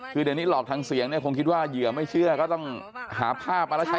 คือเดี๋ยวนี้หลอกทางเสียงเนี่ยคงคิดว่าเหยื่อไม่เชื่อก็ต้องหาภาพมาแล้วใช้